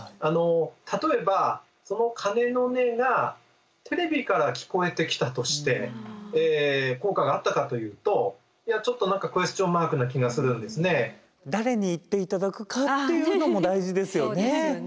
例えばその鐘の音がテレビから聞こえてきたとして効果があったかというとちょっと何かクエスチョンマークな気がするんですね。